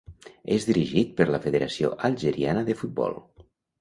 És dirigit per la Federació Algeriana de Futbol.